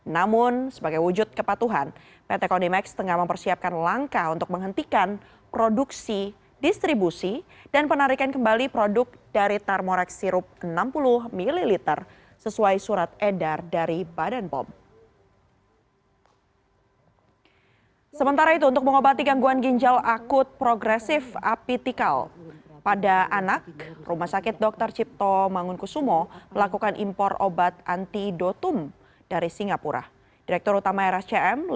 namun sebagai wujud kepatuhan pt konimax tengah mempersiapkan langkah untuk menghentikan produksi distribusi dan penarikan kembali produk dari thermorex